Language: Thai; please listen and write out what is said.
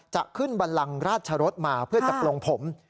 จะขึ้นบันลังราชรสมาเพื่อจะปลงผม